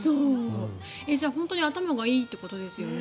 じゃあ本当に頭がいいってことですよね。